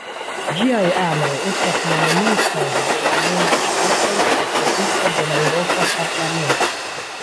Ĝiaj anoj estas nomumitaj de la membroŝtatoj kaj aprobitaj de la Eŭropa Parlamento.